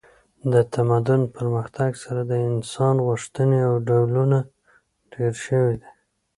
د تمدن پرمختګ سره د انسان غوښتنې او ډولونه ډیر شوي دي